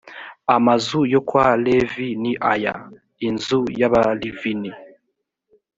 amazu yo kwa levi ni aya: inzu y’abalivini.